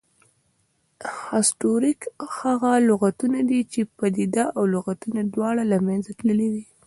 هسټوریک هغه لغتونه دي، چې پدیده او لغتونه دواړه له منځه تللې وي